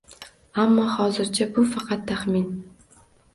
Ammo hozircha bu faqat taxmin